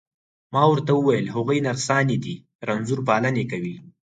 ما ورته وویل: هغوی نرسانې دي، رنځور پالني کوي.